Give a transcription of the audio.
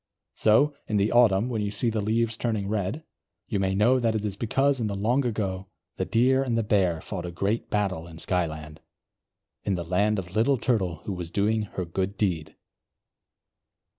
So, in the autumn, when you see the leaves turning red, you may know that it is because in the long ago, the Deer and the Bear fought a great battle in Skyland, in the land of Little Turtle who was doing her good deed.